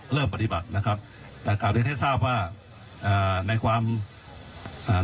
เริ่มปฏิบัตินะครับแต่กลับให้ทราบว่าอ่าในความอ่า